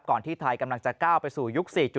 ที่ไทยกำลังจะก้าวไปสู่ยุค๔๐